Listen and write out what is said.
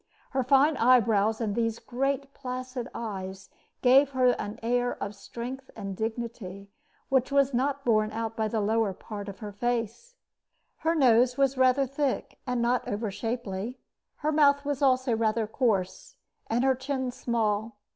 Her fine eyebrows and these great placid eyes gave her an air of strength and dignity which was not borne out by the lower part of her face. Her nose was rather thick and not over shapely. Her mouth was also rather coarse, and her chin small.